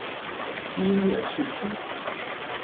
音乐试听